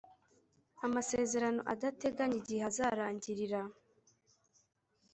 amasezerano adateganya igihe azarangirira